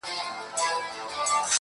هم دي د سرو سونډو په سر كي جـادو.